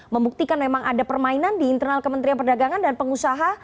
membuktikan memang ada permainan di internal kementerian perdagangan dan pengusaha